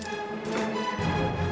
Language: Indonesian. gua ngerjain dia